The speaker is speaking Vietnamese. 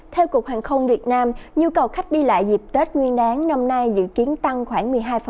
theo cục hàng không việt nam nhu cầu khách đi lại dịp tết nguyên đáng năm nay dự kiến tăng khoảng một mươi hai